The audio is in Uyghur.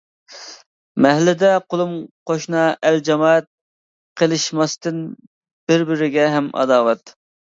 مەھەللىدە قولۇم قوشنا ئەل جامائەت، قىلىشماستىن بىر-بىرىگە ھەم ئاداۋەت.